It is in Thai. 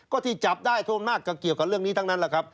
ก็ที่จับได้ทั่วหน้าก็เกี่ยวกับเรื่องนี้ทั้งนั้นแหละครับ